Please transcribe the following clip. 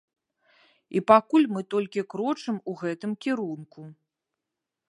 І пакуль мы толькі крочым у гэтым кірунку.